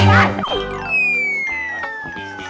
udah wujud gunggak